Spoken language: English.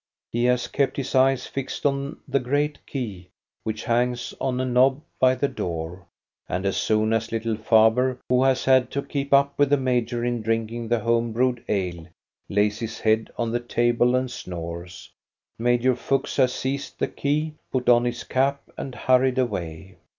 He has kept his eyes fixed on the great key which hangs on a knob by the door, and as soon as little Faber, who has had to keep up with the major in drinking the home brewed ale, lays his head on the table and snores, Major Fuchs has seized the key, put on his cap, and hurried away.